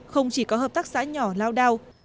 không chỉ có hợp tác xã nhỏ lao đao